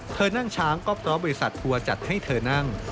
เธอนั่งช้างก็พร้อมบริษัททัวร์จัดให้เธอนั่ง